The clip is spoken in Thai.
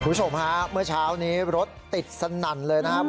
คุณผู้ชมฮะเมื่อเช้านี้รถติดสนั่นเลยนะครับ